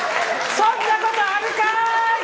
そんなことあるかーい！